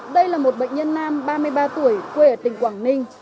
đây là một bệnh nhân nam ba mươi ba tuổi quê ở tỉnh quảng ninh